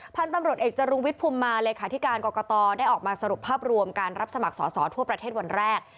พันธุ์ตำรวจเอกจรุงวิทย์ภูมิมาเลขาธิการกรกตได้ออกมาสรุปภาพรวมการรับสมัครสอสอทั่วประเทศวันแรก